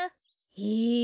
へえ。